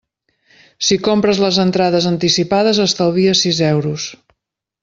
Si compres les entrades anticipades estalvies sis euros.